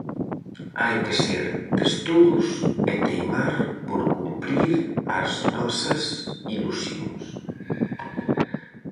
Hai que ser testudos e teimar por cumprir as nosas ilusións.